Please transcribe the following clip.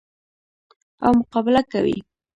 او مقابله کوي.